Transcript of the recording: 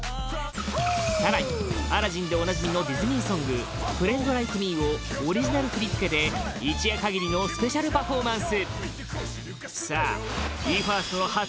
更に、「アラジン」でおなじみのディズニーソング「フレンド・ライク・ミー」をオリジナル振り付けで一夜限りのスペシャルパフォーマンス！